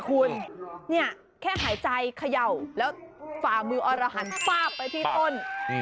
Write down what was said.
คุณแค่หายใจเขย่าแล้วฝามืออรหัสไปที่ต้น